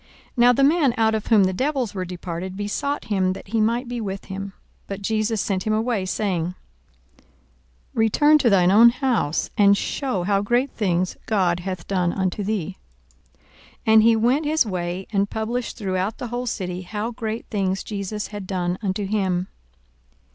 42:008:038 Now the man out of whom the devils were departed besought him that he might be with him: but Jesus sent him away, saying, 42:008:039 Return to thine own house, and shew how great things God hath done unto thee. And he went his way, and published throughout the whole city how great things Jesus had done unto him.